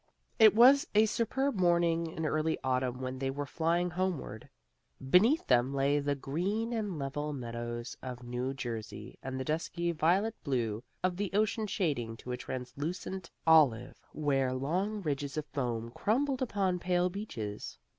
It was a superb morning in early autumn when they were flying homeward. Beneath them lay the green and level meadows of New Jersey, and the dusky violet blue of the ocean shading to a translucent olive where long ridges of foam crumbled upon pale beaches.